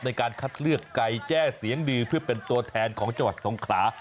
ในการคัดเลือกไก่แจ้เสียงดีเพื่อเป็นตัวแทนของจังหวัดสงขลา